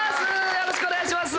よろしくお願いします！